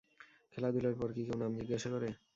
খেলাধুলার পর কি কেউ নাম জিজ্ঞাসা করে?